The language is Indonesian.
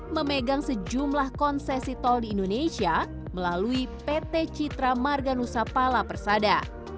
memegang sejumlah konsesi tol di indonesia melalui pt citra marganusa pala persada